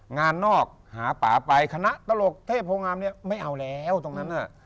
งานนอกหาป่าไปคณะตลกเทพโภงอามไม่เอาแล้วตรงนั้น